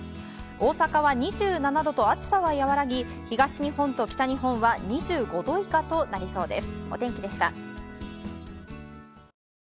大阪は２７度と暑さは和らぎ東日本と北日本は２５度以下となりそうです。